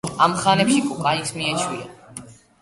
ამ ხანებში კოკაინს მიეჩვია.